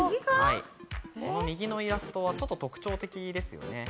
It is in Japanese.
右のイラストはちょっと特徴的ですよね。